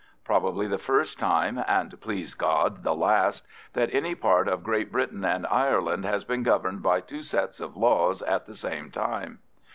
Probably the first time (and please God the last) that any part of Great Britain and Ireland has been governed by two sets of laws at the same time.